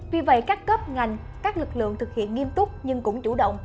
vì vậy các cấp ngành các lực lượng thực hiện nghiêm túc nhưng cũng chủ động